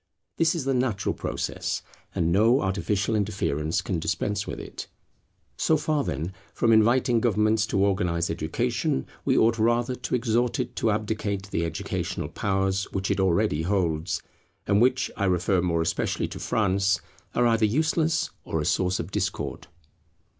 This is the natural process, and no artificial interference can dispense with it. So far, then, from inviting government to organize education, we ought rather to exhort it to abdicate the educational powers which it already holds, and which, I refer more especially to France, are either useless or a source of discord.